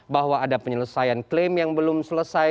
bahwa ada penyelesaian klaim yang belum selesai